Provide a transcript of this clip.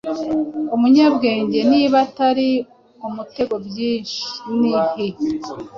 Umunyabwenge niba atari umutego, byinhi